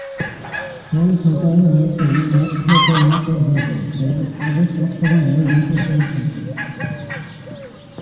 ফুল ফোটার মৌসুম মার্চ থেকে মে পর্যন্ত এবং আগস্ট-অক্টোবরেও গাছে ফুল থাকে।